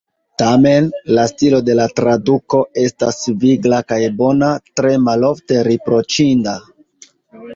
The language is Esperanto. Tamen, la stilo de la traduko estas vigla kaj bona, tre malofte riproĉinda.